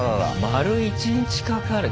丸１日かかる。